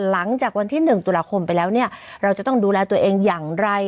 หลังจากวันที่๑ตุลาคมไปแล้วเนี่ยเราจะต้องดูแลตัวเองอย่างไร